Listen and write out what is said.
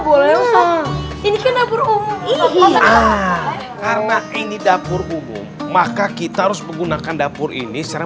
boleh ini karena burung karena ini dapur umum maka kita harus menggunakan dapur ini secara